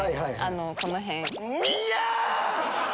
この辺。